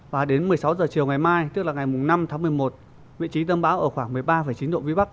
hai mươi sáu h chiều ngày mai tức là ngày năm tháng một mươi một vị trí tâm bão ở khoảng một mươi ba chín độ vĩ bắc